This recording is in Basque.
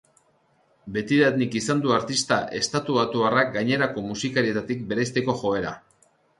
Betidanik izan du artista estatubatuarrak gainerako musikarietatik bereizteko joera.